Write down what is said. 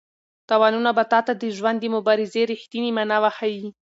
تاوانونه به تا ته د ژوند د مبارزې رښتینې مانا وښيي.